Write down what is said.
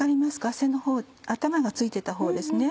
背のほう頭がついてたほうですね。